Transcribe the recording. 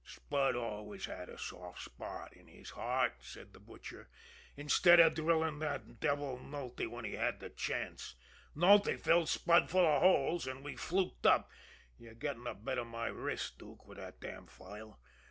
"Spud always had a soft spot in his heart," said the Butcher. "Instead of drilling that devil, Nulty, when he had the chance, Nulty filled Spud full of holes, an' we fluked up yer gettin' a bit of my wrist, Dook, with that damned file.